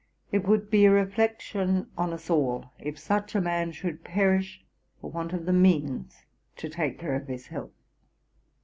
It would be a reflection on us all, if such a man should perish for want of the means to take care of his health.